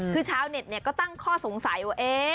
คือชาวเน็ตก็ตั้งข้อสงสัยว่า